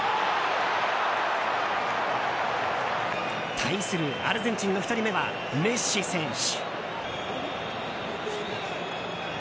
対するアルゼンチンの１人目はメッシ選手。